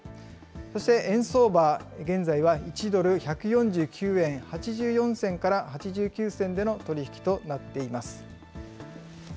そして、円相場、現在は１ドル１４９円８４銭から８９銭での取り